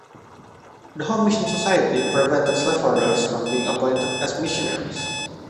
The Home Mission Society prevented slaveholders from being appointed as missionaries.